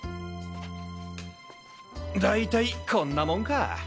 大体こんなモンか！